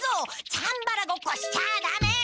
チャンバラごっこしちゃあダメ！